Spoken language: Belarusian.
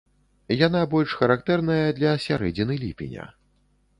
Яна больш характэрная для сярэдзіны ліпеня.